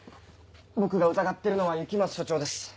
僕が疑ってるのは雪松署長です